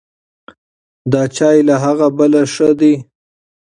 دا چای له هغه بل ښه دی.